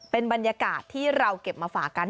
เป็นบรรยากาศที่เราเก็บมาฝากกัน